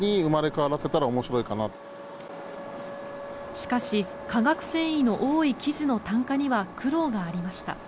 しかし、化学繊維の多い生地の炭化には苦労がありました。